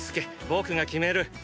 僕が決める。